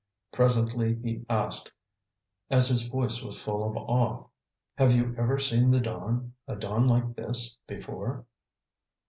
Presently he asked, and his voice was full of awe: "Have you ever seen the dawn a dawn like this before?"